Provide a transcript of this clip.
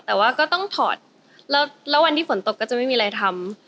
แต่ว่าก็ต้องถอดแล้ววันที่ฝนตกก็จะไม่มีอะไรทำ